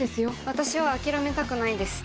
私は諦めたくないです。